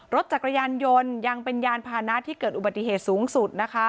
รถจักรยานยนต์ยังเป็นยานพานะที่เกิดอุบัติเหตุสูงสุดนะคะ